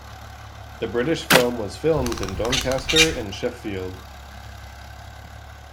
The British film was filmed in Doncaster and Sheffield.